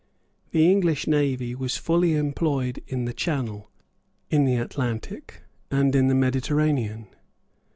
The English navy was fully employed in the Channel, in the Atlantic, and in the Mediterranean.